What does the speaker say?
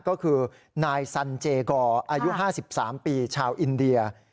ก็คือนายสันเจกอร์อายุ๕๓ปีชาวอินเดีย